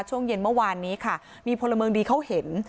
ช่วงเย็นเมื่อวานนี้ค่ะมีพลเมืองดีเขาเห็น